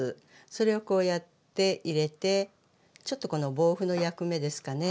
それをこうやって入れてちょっとこの防腐の役目ですかね。